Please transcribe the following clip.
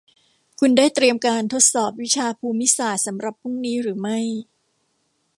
คุณได้เตรียมการทดสอบวิชาภูมิศาสตร์สำหรับพรุ่งนี้หรือไม่